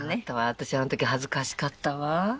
私あの時恥ずかしかったわ。